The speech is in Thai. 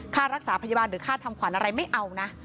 ค่ารักษาพยาบาลหรือค่าทำขวัญอะไรไม่เอานะ